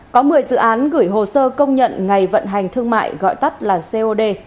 có một mươi dự án gửi hồ sơ công nhận ngày vận hành thương mại gọi tắt là cod